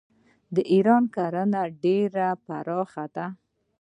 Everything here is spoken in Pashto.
د ایران کرنه ډیره پراخه ده.